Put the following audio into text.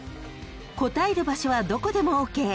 ［答える場所はどこでもＯＫ］